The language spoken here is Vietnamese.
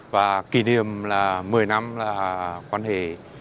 và kỷ niệm là mười năm là quan hệ